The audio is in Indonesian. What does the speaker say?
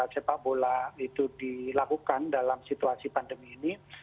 sepak bola itu dilakukan dalam situasi pandemi ini